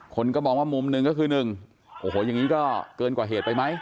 คนก็มองว่ามุมหนึ่งก็คือ๑โอ้โหอย่างนี้ก็เกินกว่าเหตุไปไหม